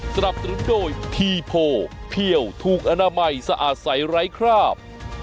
สนับสนุนโดยทีโพเพี่ยวถูกอนามัยสะอาดใสไร้คราบ